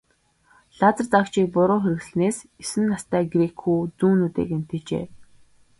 Лазер заагчийг буруу хэрэглэснээс есөн настай грек хүү зүүн нүдээ гэмтээжээ.